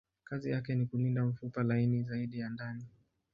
Kazi yake ni kulinda mfupa laini zaidi ya ndani.